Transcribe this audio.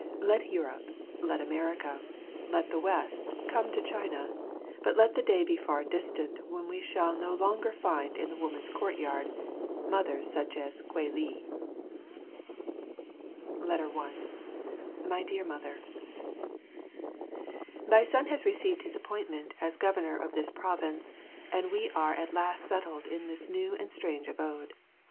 Let Europe, let America, let the West come to China, but let the day be far distant when we shall find no longer in the women's courtyards such mothers as Kwei li. 1 My Dear Mother, Thy son has received his appointment as governor of this province, and we are at last settled in this new and strange abode.